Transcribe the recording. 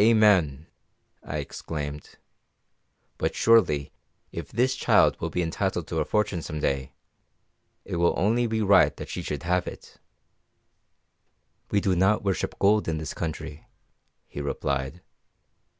"Amen!" I exclaimed. "But surely, if this child will be entitled to a fortune some day, it will only be right that she should have it." "We do not worship gold in this country," he replied.